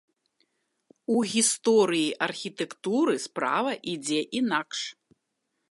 У гісторыі архітэктуры справа ідзе інакш.